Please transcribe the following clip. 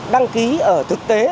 đăng ký ở thực tế